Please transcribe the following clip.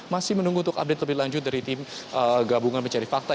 masih menunggu untuk update lebih lanjut dari tim gabungan pencari fakta